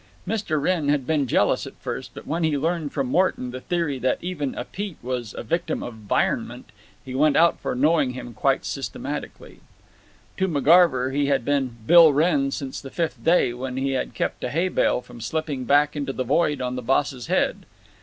Mr. Wrenn had been jealous at first, but when he learned from Morton the theory that even a Pete was a "victim of 'vironment" he went out for knowing him quite systematically. To McGarver he had been "Bill Wrenn" since the fifth day, when he had kept a hay bale from slipping back into the hold on the boss's head.